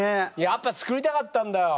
やっぱ作りたかったんだよ。